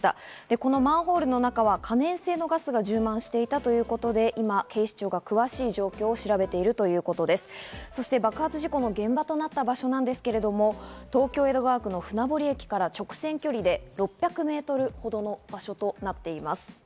このマンホールの中は可燃性のガスが充満していたということで今、警視庁が原因を詳しく調べているということで、そして現場となった場所なんですけれども、東京・江戸川区の船堀駅から直線距離で６００メートルほどの場所となっています。